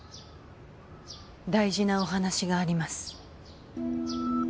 大事なお話があります